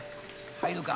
入るか？